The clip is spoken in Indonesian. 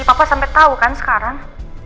papa sampe tau kan sekarang